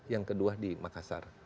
yang kedua di makassar